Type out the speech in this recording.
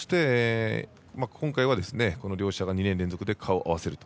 今回は、この両者が２年連続で顔を合わせると。